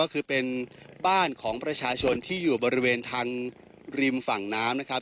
ก็คือเป็นบ้านของประชาชนที่อยู่บริเวณทางริมฝั่งน้ำนะครับ